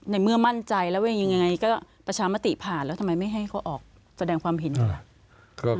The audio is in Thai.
ในเมื่อมั่นใจแล้วว่ายังไงก็ประชามติผ่านแล้วทำไมไม่ให้เขาออกแสดงความเห็นล่ะ